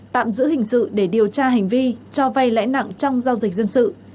tạm giữ hình sự để điều tra hành vi cho vay lãi nặng trong giao dịch dân sự